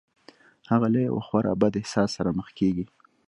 هغه له يوه خورا بد احساس سره مخ کېږي.